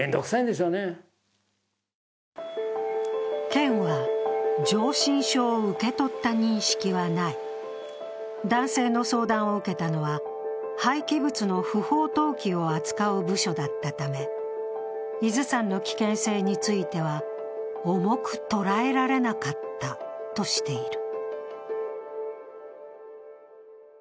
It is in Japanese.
県は、上申書を受け取った認識はない、男性の相談を受けたのは廃棄物の不法投棄を扱う部署だったため伊豆山の危険性については重く捉えられなかったとしている。